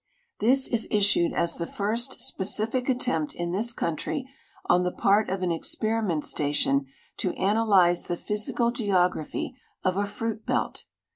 This is issueil as the first specific attempt in this country on the part of an exiieriment station to analyze the physical geography of a fruit belt.